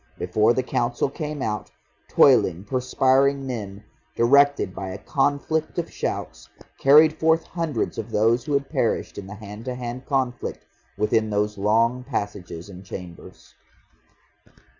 Before the Council came out, toiling perspiring men, directed by a conflict of shouts, carried forth hundreds of those who had perished in the hand to hand conflict within those long passages and chambers....